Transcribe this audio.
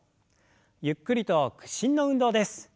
ゆっくりと屈伸の運動です。